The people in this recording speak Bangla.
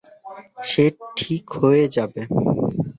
সে ঠিক হয়ে যাবে।